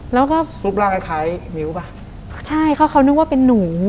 แล้วก็ซุปร่างคล้ายมิ้วป่ะใช่เขานึกว่าเป็นนู